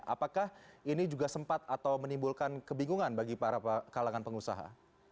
apakah ini juga sempat atau menimbulkan kebingungan bagi para kalangan pengusaha